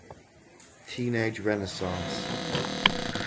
Teenage Renaissance!